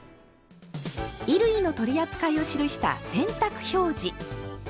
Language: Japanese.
衣類の取り扱いを記した「洗濯表示」。